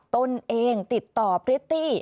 ตนเองติดต่อพริตตี้